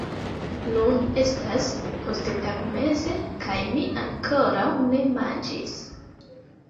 Nun estas posttagmeze kaj mi ankoraŭ ne manĝis